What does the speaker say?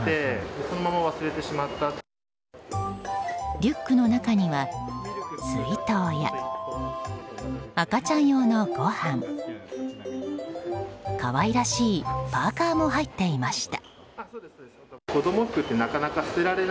リュックの中には水筒や、赤ちゃん用のごはん。可愛らしいパーカも入っていました。